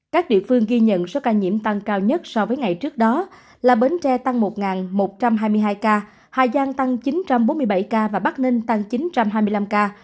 các địa phương ghi nhận số ca nhiễm tăng cao nhất so với ngày trước đó là bến tre tăng một một trăm hai mươi hai ca hà giang tăng chín trăm bốn mươi bảy ca và bắc ninh tăng chín trăm hai mươi năm ca